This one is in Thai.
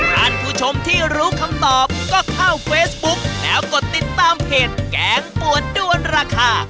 ท่านผู้ชมที่รู้คำตอบก็เข้าเฟซบุ๊กแล้วกดติดตามเพจแกงปวดด้วนราคา